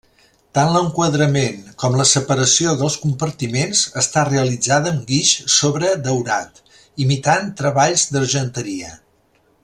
Tant l'enquadrament com la separació dels compartiments està realitzada amb guix sobredaurat, imitant treballs d'argenteria.